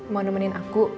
mau nemenin aku